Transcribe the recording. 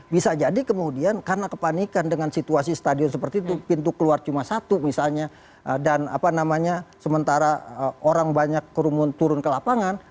bisa jadi kemudian karena kepanikan dengan situasi stadion seperti itu pintu keluar cuma satu misalnya dan apa namanya sementara orang banyak turun ke lapangan